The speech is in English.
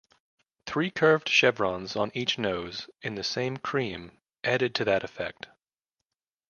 Three curved chevrons on each nose, in the same cream, added to that effect.